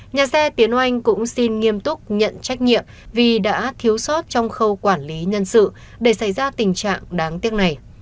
nhà xe tiến oanh cũng xin nghiêm túc nhận trách nhiệm vì đã thiếu sót trong khâu quản lý nhân sự để xảy ra tình trạng đáng tiếc này